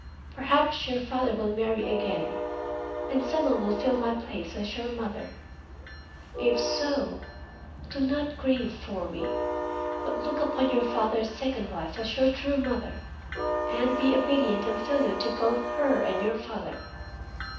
Perhaps your father will marry again and some one will fill my place as your mother. If so do not grieve for me, but look upon your father's second wife as your true mother, and be obedient and filial to both her and your father.